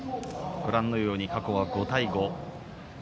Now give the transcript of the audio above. ご覧のように対戦成績過去は５対５。